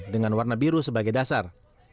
dengan warna biru sebagai dasar